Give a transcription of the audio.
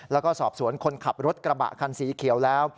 แล้วก็สอบสวนคนขับรถกระบะคันสีเขียวแล้ว